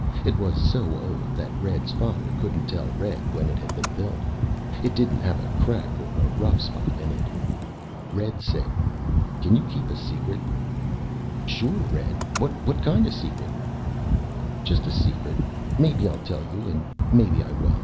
It was so old that Red's father couldn't tell Red when it had been built. It didn't have a crack or a rough spot in it. Red said, "Can you keep a secret?" "Sure, Red. What kind of a secret?" "Just a secret. Maybe I'll tell you and maybe I won't.